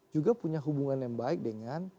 juga punya hubungan yang baik dengan